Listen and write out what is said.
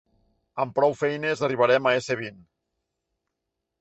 Amb prou feines arribarem a ésser vint.